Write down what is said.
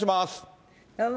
どうも。